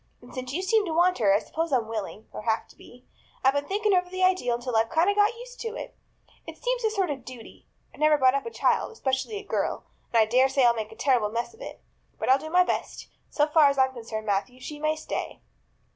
And since you seem to want her, I suppose I'm willing or have to be. I've been thinking over the idea until I've got kind of used to it. It seems a sort of duty. I've never brought up a child, especially a girl, and I dare say I'll make a terrible mess of it. But I'll do my best. So far as I'm concerned, Matthew, she may stay."